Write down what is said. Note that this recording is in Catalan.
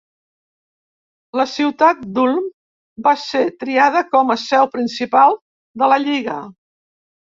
La ciutat d'Ulm va ser triada com a seu principal de la lliga.